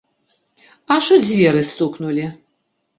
Аж у дзверы стукнулі.